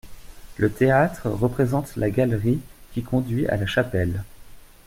Le théâtre représente la galerie qui conduit à la chapelle.